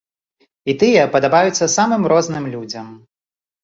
І тыя падабаюцца самым розным людзям.